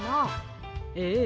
ええ。